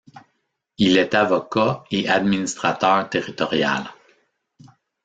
Il est avocat et administrateur territorial.